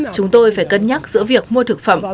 chúng tôi phải cân nhắc giữa việc mua thực phẩm